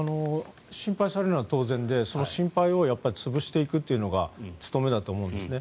心配されるのは当然でその心配を潰していくっていうのが務めだと思うんですね。